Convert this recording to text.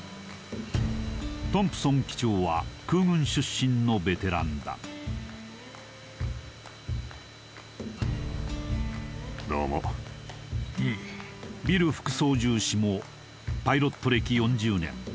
トンプソン機長は空軍出身のベテランだどうもうんビル副操縦士もパイロット歴４０年